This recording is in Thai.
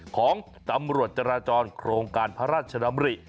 ของตำรวจจราจรโครงการพระราชดำริ